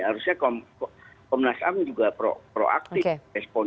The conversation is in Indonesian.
harusnya komnas ham juga proaktif respon